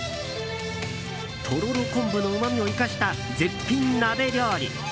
とろろ昆布のうまみを生かした絶品鍋料理。